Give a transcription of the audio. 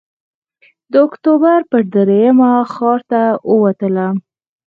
د اکتوبر پر درېیمه ښار ته ووتلم.